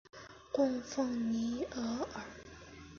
供奉弥额尔。